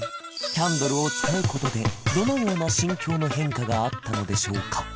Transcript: キャンドルを使うことでどのような心境の変化があったのでしょうか？